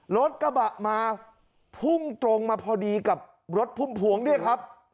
รถกระบะมาพุ่งตรงมาพอดีกับรถพุ่มพวงด้วยครับ